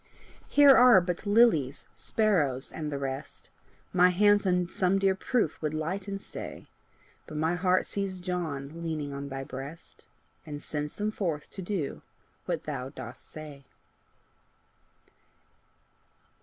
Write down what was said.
Here are but lilies, sparrows, and the rest! My hands on some dear proof would light and stay! But my heart sees John leaning on thy breast, And sends them forth to do what thou dost say.